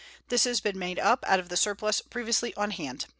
This has been made up out of the surplus previously on hand.